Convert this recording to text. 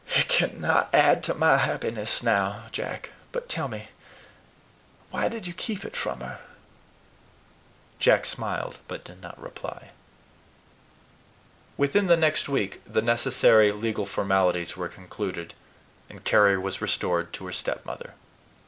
"It cannot add to MY happiness now, Jack; but tell me, why did you keep it from her?" Jack smiled, but did not reply. Within the next week the necessary legal formalities were concluded, and Carry was restored to her stepmother.